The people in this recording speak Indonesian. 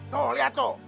tuh liat tuh